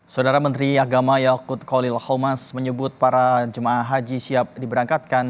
saudara menteri agama yakut kolil homas menyebut para jemaah haji siap diberangkatkan